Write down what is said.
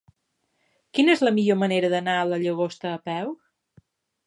Quina és la millor manera d'anar a la Llagosta a peu?